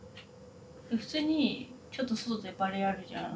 普通にちょっと外でバレーやるじゃん。